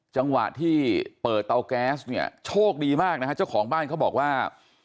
จังหวะที่เปิดเตาแก๊สเนี่ยโชคดีมากนะฮะเจ้าของบ้านเขาบอกว่า